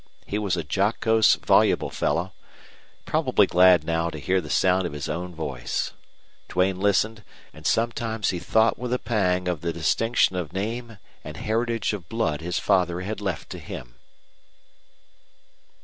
He was a jocose, voluble fellow, probably glad now to hear the sound of his own voice. Duane listened, and sometimes he thought with a pang of the distinction of name and heritage of blood his father had left to him.